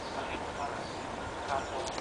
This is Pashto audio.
انګلیسي ځواکونه د خپل کمزورتیا سره مخ شول.